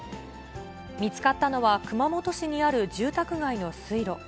見つかったのは、熊本市にある住宅街の水路。